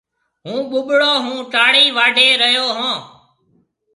هُون ٻُٻڙون هون ٽاݪِي واڍهيَ ريو هون۔